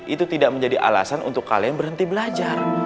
itu tidak menjadi alasan untuk kalian berhenti belajar